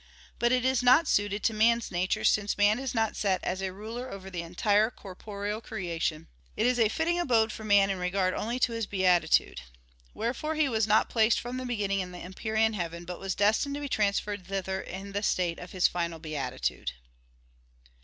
But it is not suited to man's nature, since man is not set as a ruler over the entire corporeal creation: it is a fitting abode for man in regard only to his beatitude. Wherefore he was not placed from the beginning in the empyrean heaven, but was destined to be transferred thither in the state of his final beatitude.